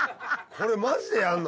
これマジでやるの？